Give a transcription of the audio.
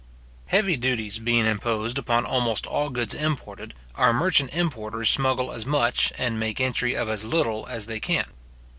Heavy duties being imposed upon almost all goods imported, our merchant importers smuggle as much, and make entry of as little as they can.